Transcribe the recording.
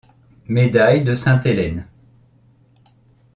Médaille de Sainte-Hélène.